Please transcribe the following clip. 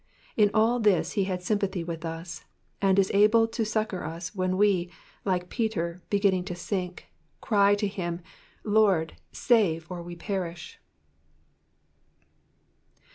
In all this ho has sympathy with U3, and is able to succour us when we, like Peter, beginning to sink, cry to him, Lord, save, or we perish."